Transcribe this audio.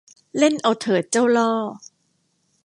เล่นเอาเถิดเจ้าล่อ